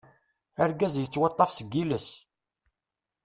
Argaz yettwaṭṭaf seg yiles.